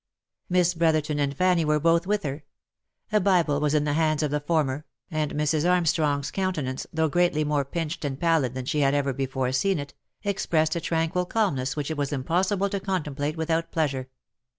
Miss Brotherton and Fanny were both with her ; a bible was in the hands of the former, and Mrs. Armstrong's counte nance, though greatly more pinched and pallid than she had ever be fore seen it, expressed a tranquil calmness which it was impossible to contemplate without pleasure.